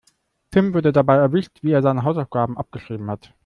Tim wurde dabei erwischt, wie er seine Hausaufgaben abgeschrieben hat.